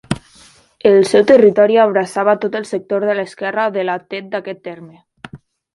El seu territori abraçava tot el sector de l'esquerra de la Tet d'aquest terme.